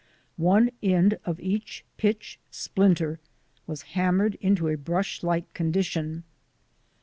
One end of each pitch splinter was hammered into a brush like condition.